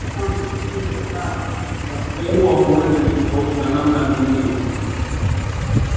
kuwa huenda ni tofauti na namna dunia